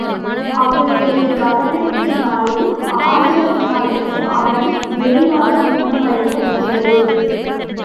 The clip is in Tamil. அவளுடைய கவனத்தினாலும் ஆதரவினாலுமே அவன் விரைவாகக் குணமடைய முடிந்தது.